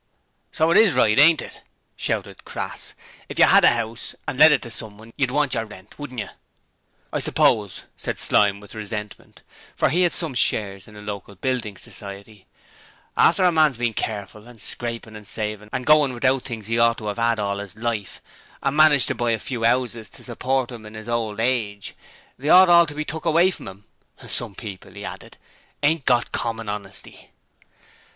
'So it IS right, ain't it?' shouted Crass. 'If you 'ad a 'ouse and let it to someone, you'd want your rent, wouldn't yer?' 'I suppose,' said Slyme with resentment, for he had some shares in a local building society, 'after a man's been careful, and scraping and saving and going without things he ought to 'ave 'ad all 'is life, and managed to buy a few 'ouses to support 'im in 'is old age they ought all to be took away from 'im? Some people,' he added, 'ain't got common honesty.'